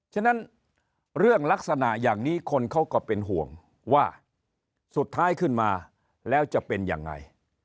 ฉะนั้นเรื่องลักษณะอย่างนี้คนเขาก็เป็นห่วงว่าสุดท้ายขึ้นมาแล้วจะเป็นยังไง